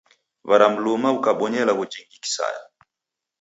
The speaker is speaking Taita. Waramluma ukabonya ilagho jingi kisaya.